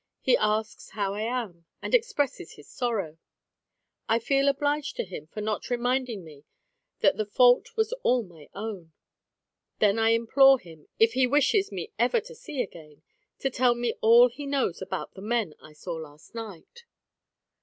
He asks how I am, and expresses his sorrow. I feel obliged to him for not reminding me that the fault was all my own. Then I implore him, if he wishes me ever to see again, to tell me all he knows about the men I saw last night.